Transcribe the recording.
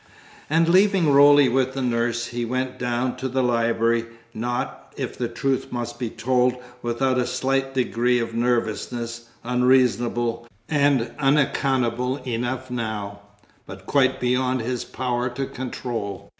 And leaving Roly with the nurse, he went down to the library; not, if the truth must be told, without a slight degree of nervousness, unreasonable and unaccountable enough now, but quite beyond his power to control.